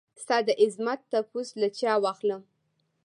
ستا دعظمت تپوس له چا واخلم؟